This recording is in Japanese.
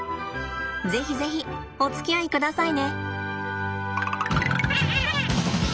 是非是非おつきあいくださいね。